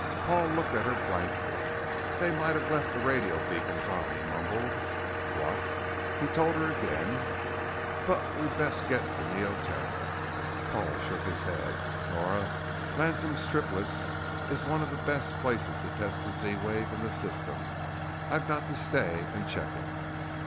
Paul looked at her blankly. "They might have left the radio beacons on," he mumbled. "What?" He told her again. "But we'd best get to Neoterra." Paul shook his head. "Nora, Latham's Triplets is one of the best places to test this Z wave in the system. I've got to stay and check it."